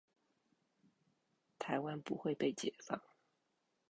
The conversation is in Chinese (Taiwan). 台灣要被解放